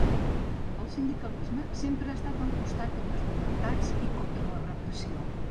El sindicalisme sempre ha estat al costat de les llibertats i contra la repressió.